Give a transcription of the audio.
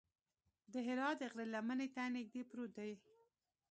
د حرا د غره لمنې ته نږدې پروت دی.